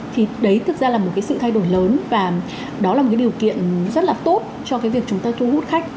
thì đấy thực ra là một cái sự thay đổi lớn và đó là một cái điều kiện rất là tốt cho cái việc chúng ta thu hút khách